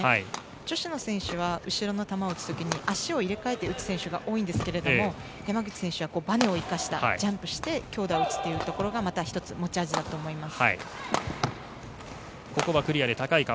女子の選手は後ろの球を打つときに足を入れ替えて打つ選手が多いんですけど山口選手はバネを生かしたジャンプして強打を打つっていうところがまた１つ、持ち味だと思います。